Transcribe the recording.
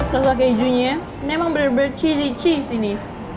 kek kejunya memang benar benar cheesy cheese ini